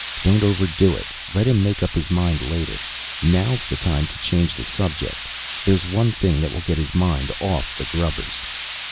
_Don't overdo it. Let him make up his mind later. Now's the time to change the subject. There's one thing that will get his mind off the grubbers.